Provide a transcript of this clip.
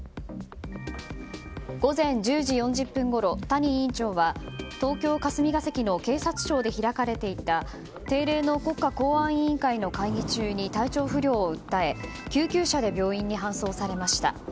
午前１０時４０分ごろ谷委員長は東京・霞が関の警察庁で開かれていた定例の国家公安委員会の会議中に体調不良を訴え救急車で病院に搬送されました。